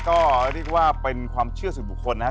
ก็เรียกว่าเป็นความเชื่อส่วนบุคคลนะครับ